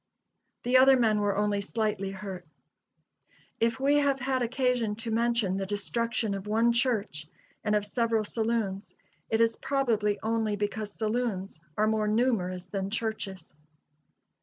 The other men were only slightly hurt. If we have had occasion to mention the destruction of one church and of several saloons, it is probably only because saloons are more numerous than churches.